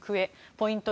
ポイント